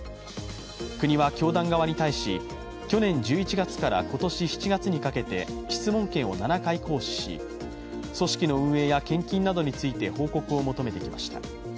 国は教団側に対し、去年１１月から今年７月にかけて質問権を７回行使し組織の運営や献金などについて報告を求めてきました。